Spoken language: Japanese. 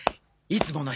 「いつもの」？